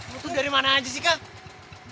lu tuh dari mana aja sih kak